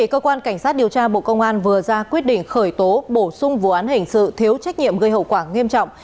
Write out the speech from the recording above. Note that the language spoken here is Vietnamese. cơ quan cảnh sát điều tra bộ công an vừa ra quyết định khởi tố bổ sung vụ án hình sự thiếu trách nhiệm gây hậu quả nghiêm trọng